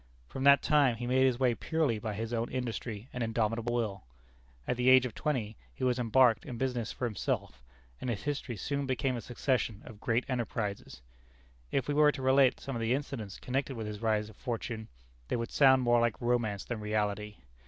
From that time he made his way purely by his own industry and indomitable will. At the age of twenty he was embarked in business for himself, and his history soon became a succession of great enterprises. If we were to relate some of the incidents connected with his rise of fortune, they would sound more like romance than reality.